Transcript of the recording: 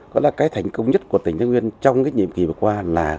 cái thành công nhất của tỉnh thái nguyên trong những kỳ vừa qua là